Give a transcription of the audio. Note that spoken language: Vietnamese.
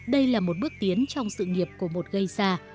đây là một bước tiến trong sự nghiệp của một gây xa